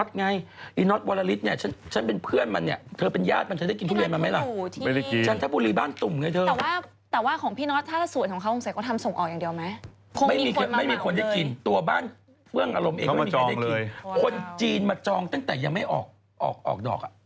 คนจีนมาจองตั้งแต่ยังไม่ออกออกดอก